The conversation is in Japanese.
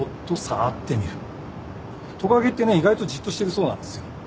トカゲってね意外とじっとしてるそうなんですよ。